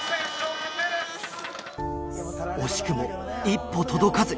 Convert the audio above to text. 惜しくも一歩届かず。